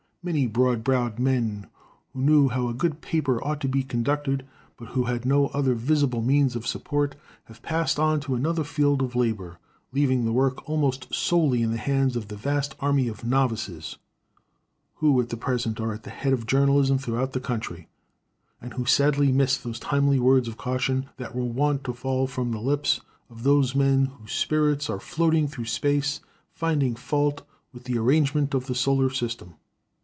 Many broad browed men who knew how a good paper ought to be conducted, but who had no other visible means of support, have passed on to another field of labor, leaving the work almost solely in the hands of the vast army of novices who at the present are at the head of journalism throughout the country, and who sadly miss those timely words of caution that were wont to fall from the lips of those men whose spirits are floating through space, finding fault with the arrangement of the solar system.